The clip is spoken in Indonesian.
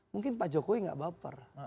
mungkin pak jokowi nggak baper